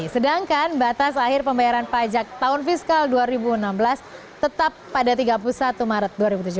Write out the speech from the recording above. sedangkan batas akhir pembayaran pajak tahun fiskal dua ribu enam belas tetap pada tiga puluh satu maret dua ribu tujuh belas